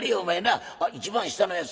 あっ一番下のやつ